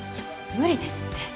無理ですって。